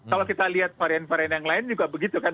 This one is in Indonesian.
kalau kita lihat varian varian yang lain juga begitu kan